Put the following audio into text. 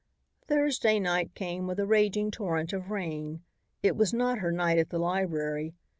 Thursday night came with a raging torrent of rain. It was not her night at the library.